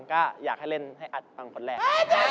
ก็อยากให้เล่นให้อัดฟังคนแรก